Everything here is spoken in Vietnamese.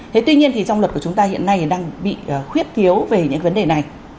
thế tuy nhiên thì trong luật của chúng ta hiện nay đang bị khuyết thiếu về những vấn đề này